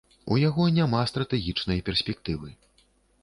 У яго няма стратэгічнай перспектывы.